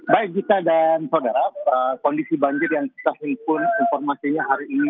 baik gita dan saudara kondisi banjir yang kita himpun informasinya hari ini